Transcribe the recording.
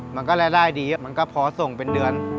มันก็รายได้ดีมันก็พอส่งเป็นเดือน